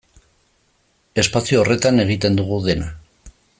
Espazio horretan egiten dugu dena.